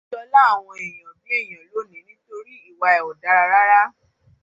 O jọlá àwọn èèyàn bí èèyàn lónìí nítorí ìwà ẹ ò dáa rárá.